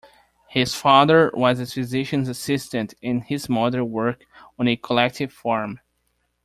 His father was a physician's assistant and his mother worked on a collective farm.